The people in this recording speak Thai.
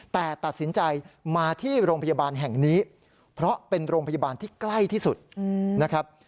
แต่ตัดสินใจมาที่โรงพยาบาลแห่งนี้เพราะเป็นโรงพยาบาลที่ใกล้ที่สุดนะครับ